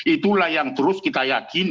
itulah yang terus kita yakin